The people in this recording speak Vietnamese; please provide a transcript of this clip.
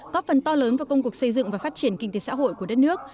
có phần to lớn vào công cuộc xây dựng và phát triển kinh tế xã hội của đất nước